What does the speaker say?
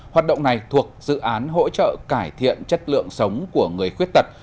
hoạt động này thuộc dự án hỗ trợ cải thiện chất lượng sống của người khuyết tật